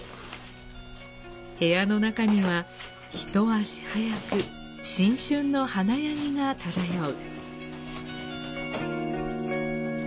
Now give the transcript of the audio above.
部屋の中には、一足早く新春の華やぎが漂う。